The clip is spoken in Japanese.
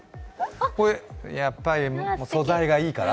やっぱり素材がいいから。